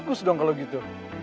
bagus dong kalau gitu